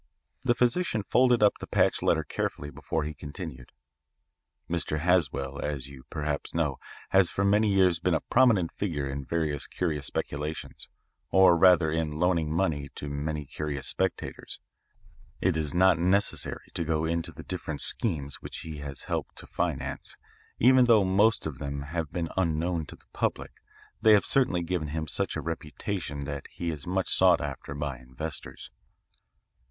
The physician folded up the patched letter carefully before he continued. "Mr. Haswell, as you perhaps know, has for many years been a prominent figure in various curious speculations, or rather in loaning money to many curious speculators. It is not necessary to go into the different schemes which he has helped to finance. Even though most of them have been unknown to the public they have certainly given him such a reputation that he is much sought after by inventors.